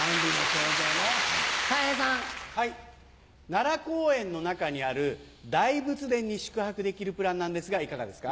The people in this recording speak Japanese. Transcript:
奈良公園の中にある大仏殿に宿泊できるプランなんですがいかがですか？